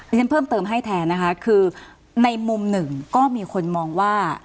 ฉันเพิ่มเติมให้แทนนะคะคือในมุมหนึ่งก็มีคนมองว่า